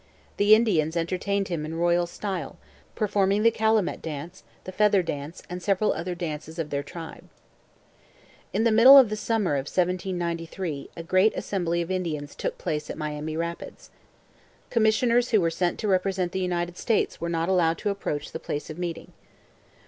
The Indians entertained him in royal style, performing the calumet dance, the feather dance, and several other dances of their tribe. In the middle of the summer of 1793 a great assembly of Indians took place at Miami Rapids. Commissioners who were sent to represent the United States were not allowed to approach the place of meeting.